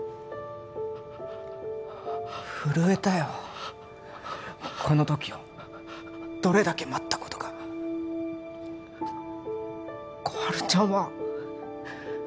震えたよこの時をどれだけ待ったことか心春ちゃんは